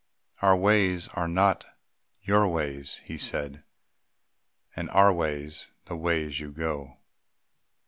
"Our ways are not your ways," he said, "And ours the ways you go."